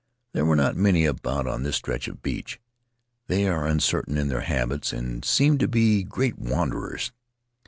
There were not many about on this stretch of beach; they are uncertain in their habits and seem to be great wanderers.